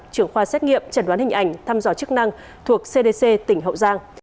trưởng khoa xét nghiệm chẩn đoán hình ảnh thăm dò chức năng thuộc cdc tỉnh hậu giang